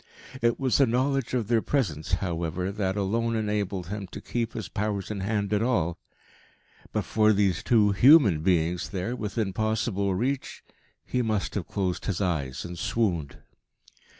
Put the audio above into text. It was the knowledge of their presence, however, that alone enabled him to keep his powers in hand at all. But for these two human beings there within possible reach, he must have closed his eyes and swooned.